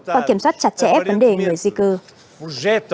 và kiểm soát chặt chẽ vấn đề người di cư